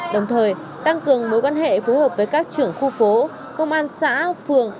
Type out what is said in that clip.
đồng thời tăng cường mối quan hệ phối hợp với các trưởng khu phố công an xã phường